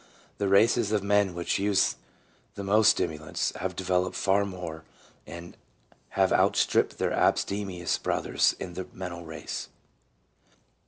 The races of men which use the most stimulants have developed far more, and have outstripped their abstemious brothers in the mental race.